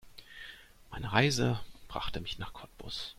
Meine Reise brachte mich nach Cottbus